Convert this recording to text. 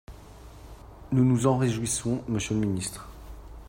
Nous nous en réjouissons, monsieur le ministre.